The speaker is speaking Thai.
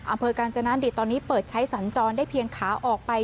การจนาดิตตอนนี้เปิดใช้สัญจรได้เพียงขาออกไป